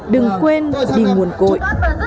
đừng quên đi nguồn cội